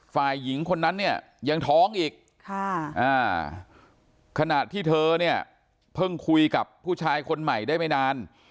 ฝ่ายหญิงคนนั้นเนี่ยยังท้องอีกขณะที่เธอเนี่ยเพิ่งคุยกับผู้ชายคนใหม่ได้ไม่นาน